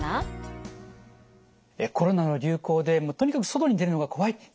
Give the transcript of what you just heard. コロナの流行で「もうとにかく外に出るのが怖い。